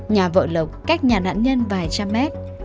nhà vợ lộc cách nhà nạn nhân vài trăm mét